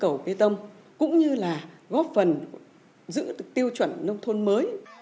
cầu tạm để đưa vào cây tông cũng như là góp phần giữ tiêu chuẩn nông thôn mới